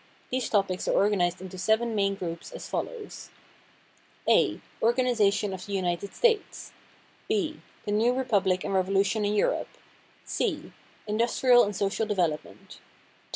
These topics are organized into seven main groups, as follows: A "Organization of the United States." B "The New Republic and Revolution in Europe." C "Industrial and Social Development."